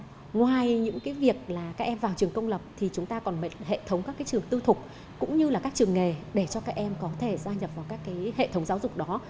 và ngoài những cái việc là các em vào trường công lập thì chúng ta còn hệ thống các trường tư thục cũng như là các trường nghề để cho các em có thể gia nhập vào các cái hệ thống giáo dục đó